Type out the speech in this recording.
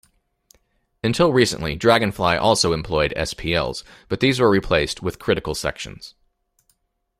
Until recently, DragonFly also employed spls, but these were replaced with critical sections.